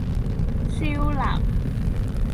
燒臘